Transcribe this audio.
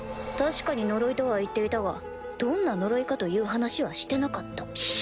確かに呪いとは言っていたがどんな呪いかという話はしてなかった。